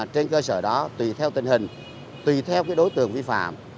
trên cơ sở đó tùy theo tình hình tùy theo đối tượng vi phạm